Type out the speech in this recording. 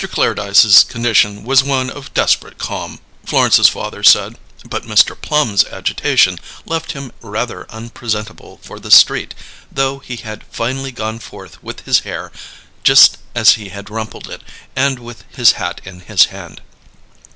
Clairdyce's condition was one of desperate calm, Florence's father said, but Mr. Plum's agitation left him rather unpresentable for the street, though he had finally gone forth with his hair just as he had rumpled it, and with his hat in his hand.